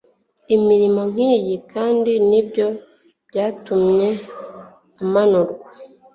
imirimo nk'iyi kandi ibyo byatumye amanurwa